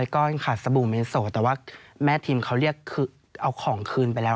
ก้อนขาดสบู่เมโสแต่ว่าแม่ทิมเขาเรียกเอาของคืนไปแล้ว